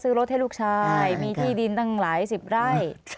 รถให้ลูกชายมีที่ดินตั้งหลายสิบไร่